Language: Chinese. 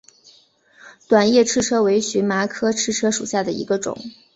短叶赤车为荨麻科赤车属下的一个种。